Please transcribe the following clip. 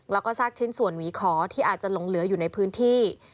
แล้วก็ซากชิ้นส่วนหวีขอที่อาจจะหลงเหลืออยู่ในพื้นที่